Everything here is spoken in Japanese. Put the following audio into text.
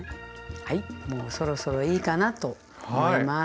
はいもうそろそろいいかなと思います。